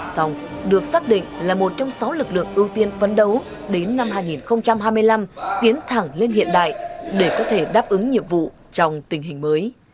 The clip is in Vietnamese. xong được xác định là một trong sáu lực lượng ưu tiên phấn đấu đến năm hai nghìn hai mươi năm tiến thẳng lên hiện đại để có thể đáp ứng nhiệm vụ trong tình hình mới